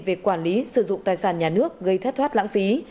về quản lý sử dụng tài sản nhà nước gây thất thoát lãng phí